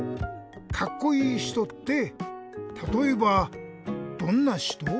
カッコイイひとってたとえばどんなひと？